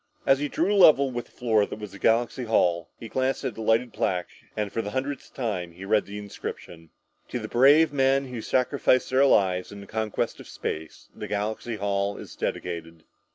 As he drew level with the floor that was Galaxy Hall, he glanced at the lighted plaque and for the hundredth time reread the inscription "... to the brave men who sacrificed their lives in the conquest of space, this Galaxy Hall is dedicated...."